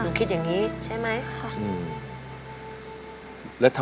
หนูคิดอย่างนี้ใช่ไหม